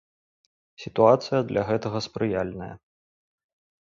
Сітуацыя для гэтага спрыяльная.